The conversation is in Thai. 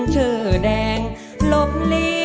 สวยงี